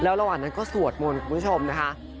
ระหว่างนั้นก็สวดมนต์คุณผู้ชมนะคะ